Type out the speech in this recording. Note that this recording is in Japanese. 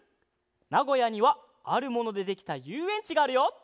なごやにはあるものでできたゆうえんちがあるよ！